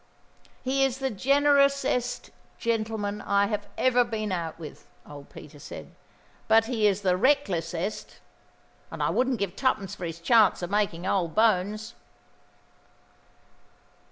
'He's the generousest gentleman I've ever been out with,' old Peter said, 'but he's the recklessest; and I wouldn't give twopence for his chance of making old bones.'"